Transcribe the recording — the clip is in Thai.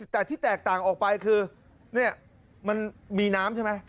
แต่ที่แตกต่างออกไปคือเนี่ยมันมีน้ำใช่ไหม